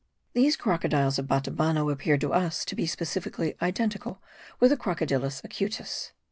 These crocodiles of Batabano appeared to us to be specifically identical with the Crocodilus acutus.